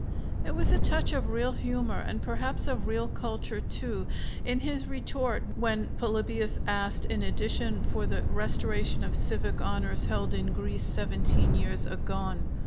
There was a touch of real humor, and perhaps of real culture too, in his retort when Polybius asked in addition for the restoration of civic honors held in Greece seventeen years agone.